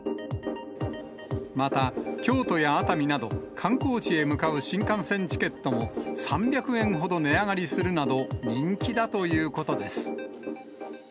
また、京都や熱海など、観光地へ向かう新幹線チケットも、３００円ほど値上がりするなど、人気だということです。